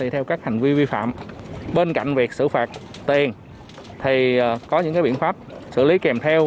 theo các hành vi vi phạm bên cạnh việc xử phạt tiền thì có những biện pháp xử lý kèm theo